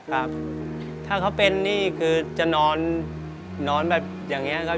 ครับถ้าเขาเป็นนี่คือจะนอนแบบอย่างนี้ครับ